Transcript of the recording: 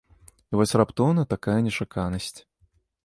І вось раптоўна такая нечаканасць.